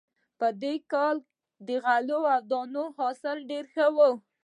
په دې کال کې د غلو دانو حاصل ډېر ښه و